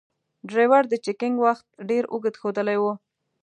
ډریور د چکینګ وخت ډیر اوږد ښودلای و.